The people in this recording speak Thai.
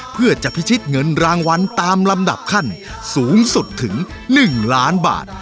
เพื่อจะพิชิตเงินรางวัลตามลำดับขั้นสูงสุดถึง๑ล้านบาท